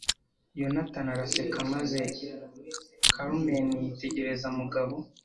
Yonatani araseka maze Carmen yitegereza Mugabo.